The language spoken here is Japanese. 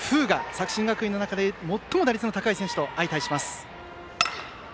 作新学院の中で最も打率の高い選手と相対します。